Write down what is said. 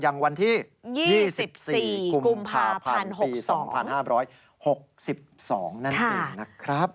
อย่างวันที่๒๔กุมภาพันธ์ปี๒๕๖๒นั่นเองนะครับ